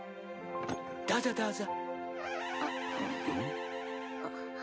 どうぞどうぞ。